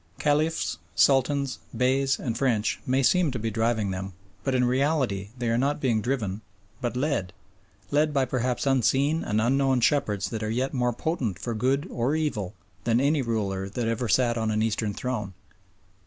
Caliphs, Sultans, Beys, and French may seem to be driving them, but in reality they are not being driven but led, led by perhaps unseen and unknown shepherds that are yet more potent for good or evil than any ruler that ever sat on an Eastern throne.